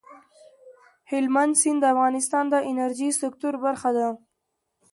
هلمند سیند د افغانستان د انرژۍ سکتور برخه ده.